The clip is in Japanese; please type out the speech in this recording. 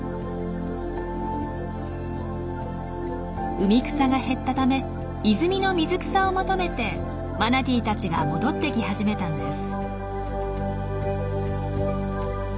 海草が減ったため泉の水草を求めてマナティーたちが戻ってき始めたんです。